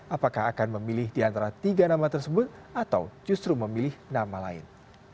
apakah akan memilih di antara tiga nama tersebut atau justru memilih nama lain